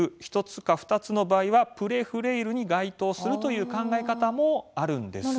１つか２つの場合はプレフレイルに該当するという考え方もあるんです。